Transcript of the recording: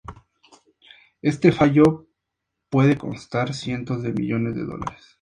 Este fallo puede costar cientos de millones de dólares.